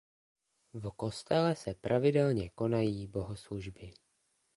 V kostele se pravidelně konají bohoslužby.